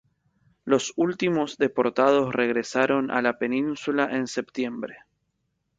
Los últimos deportados regresaron a la Península en septiembre.